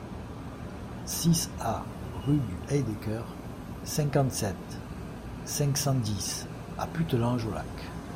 six A rue du Heidaecker, cinquante-sept, cinq cent dix à Puttelange-aux-Lacs